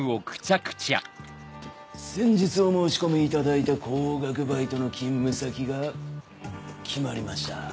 先日お申し込みいただいた高額バイトの勤務先が決まりました。